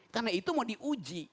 karena itu mau diuji